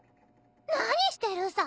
何してるさ？